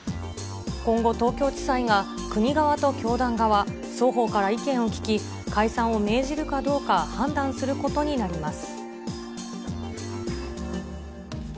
今後、東京地裁が国側と教団側、双方から意見を聞き、解散を命じるかどうか判断することになります。